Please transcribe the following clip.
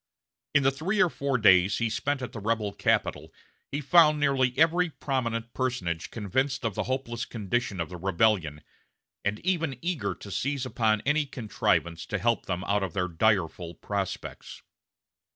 In the three or four days he spent at the rebel capital he found nearly every prominent personage convinced of the hopeless condition of the rebellion, and even eager to seize upon any contrivance to help them out of their direful prospects.